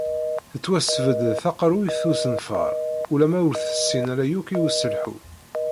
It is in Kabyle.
Tettwasbedd d taqerrut usenfaṛ ulamma ur s-tessin ara yakk i uselḥu.